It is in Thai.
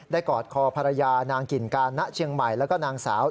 กอดคอภรรยานางกิ่นการณเชียงใหม่แล้วก็นางสาว